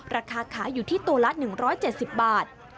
ราคาขายอยู่ที่ตัวละ๑๗๐บาท